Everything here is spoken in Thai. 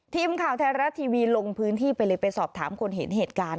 ทีมข่าวไทยรัฐทีวีลงพื้นที่ไปเลยไปสอบถามคนเห็นเหตุการณ์